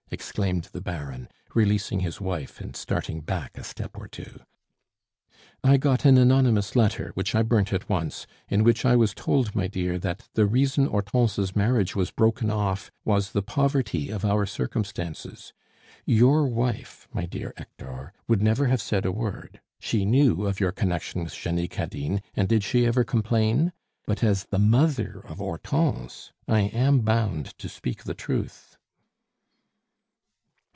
exclaimed the Baron, releasing his wife, and starting back a step or two. "I got an anonymous letter, which I burnt at once, in which I was told, my dear, that the reason Hortense's marriage was broken off was the poverty of our circumstances. Your wife, my dear Hector, would never have said a word; she knew of your connection with Jenny Cadine, and did she ever complain? But as the mother of Hortense, I am bound to speak the truth."